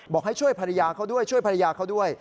บอกให้ช่วยภรรยาเขาด้วยช่วยภรรยาเขาด้วย